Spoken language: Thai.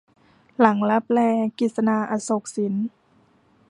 หลังลับแล - กฤษณา อโศกสิน